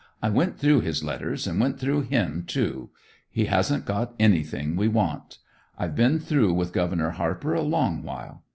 I went through his letters and went through him, too. He hasn't got anything we want. I've been through with Governor Harper a long while.